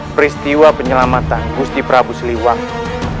peristiwa penyelamatan gusti prabu siliwangi